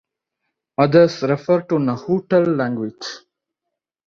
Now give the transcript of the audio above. Others refer to Nahuatl language.